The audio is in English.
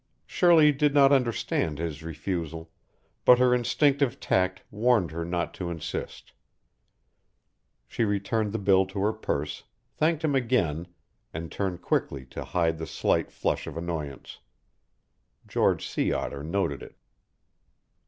Shirley did not understand his refusal, but her instinctive tact warned her not to insist. She returned the bill to her purse, thanked him again, and turned quickly to hide the slight flush of annoyance. George Sea Otter noted it.